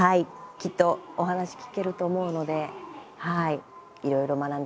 きっとお話聞けると思うのではいいろいろ学んでください。